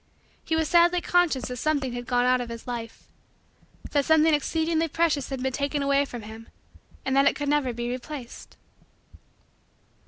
He was sadly conscious that something had gone out of his life that something exceedingly precious had been taken away from him and that it could never be replaced.